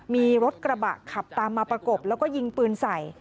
มีรถกระบะขับตามมาประกบแล้วก็ยิงปืนใส่